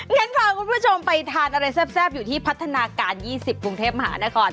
งั้นพาคุณผู้ชมไปทานอะไรแซ่บอยู่ที่พัฒนาการ๒๐กรุงเทพมหานคร